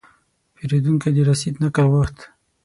پیرودونکی د رسید نقل غوښت.